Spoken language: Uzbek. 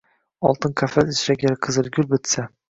Oltin qafas ichra gar qizil gul bitsa